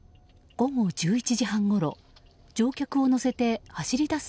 午後１１時半ごろ乗客を乗せて走り出す